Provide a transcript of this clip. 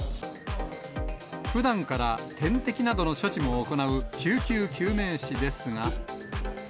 ふだんから点滴などの処置も行う救急救命士ですが。